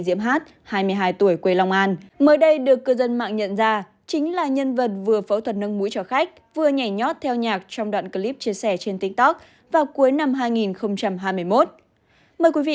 liên quan đến vụ cô gái hai mươi hai tuổi ở long an tử vong vì phẫu thuật nâng mũi